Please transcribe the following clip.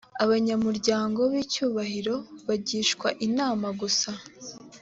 abanyamuryango b icyubahiro bagishwa inama gusa